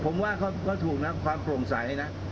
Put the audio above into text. ผมว่าก็ถูกนะความโปร่งใสนะ